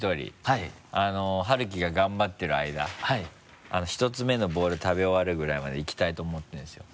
ハルキが頑張ってるあいだ１つ目のボウル食べ終わるぐらいまでいきたいと思ってるんですよ。